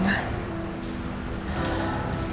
ya aku paham kok ma